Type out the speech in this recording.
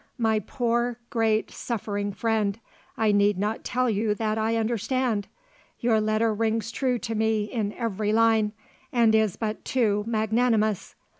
My poor, great, suffering friend, I need not tell you that I understand. Your letter rings true to me in every line, and is but too magnanimous.